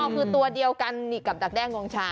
อ๋อคือตัวเดียวกันกับดักแน่งวงช้าง